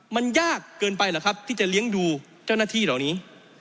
มันยากเกินไปหรือครับที่จะเลี้ยงดูเจ้าหน้าที่เหล่านี้